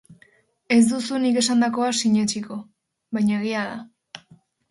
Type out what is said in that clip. Ez duzu nik esandakoa sinetsiko... baina egia da.